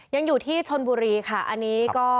ยังอยู่ที่ชนบุรีค่ะอันนี้ก็